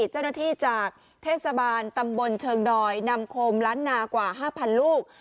เจ้าหน้าที่จากเทศบาลตำบลเชิงดอยนำโคมล้านนากว่า๕๐๐ลูก